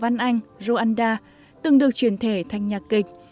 tên nổi tiếng của nhà văn anh rwanda từng được truyền thể thành nhạc kịch